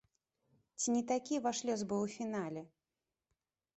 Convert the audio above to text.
Ці не такі ваш лёс быў у фінале?